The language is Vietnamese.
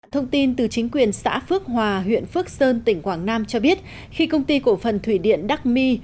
thông tin từ chính quyền xã phước hòa huyện phước sơn tỉnh quảng nam cho biết khi công ty cổ phần thủy điện đắc mi